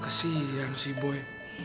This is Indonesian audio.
kesian si boy